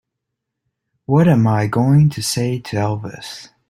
What am I going to say to Elvis?